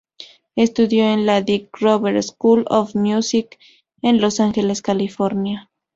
Estudió en la Dick Grove School of Music en Los Angeles California.